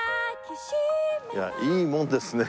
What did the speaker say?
いやいいもんですね。